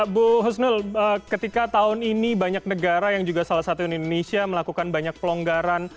bu husnul ketika tahun ini banyak negara yang juga salah satu di indonesia melakukan banyak pelonggaran